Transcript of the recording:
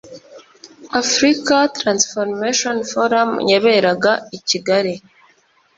Africa Transformation Forum yaberaga i Kigali